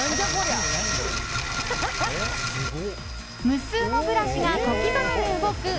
無数のブラシが小刻みに動く